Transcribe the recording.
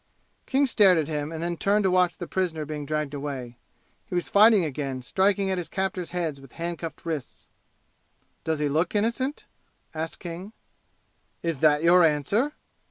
King stared at him and then turned to watch the prisoner being dragged away; he was fighting again, striking at his captors' heads with handcuffed wrists. "Does he look innocent?" asked King. "Is that your answer?"